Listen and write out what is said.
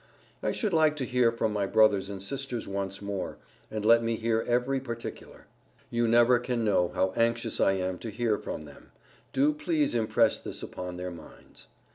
I should like to hear from my brothers and sisters once more, and let me hear every particular. You never can know how anxious I am to hear from them; do please impress this upon their minds.